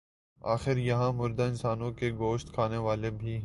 آخر یہاں مردہ انسانوں کے گوشت کھانے والے بھی ہیں۔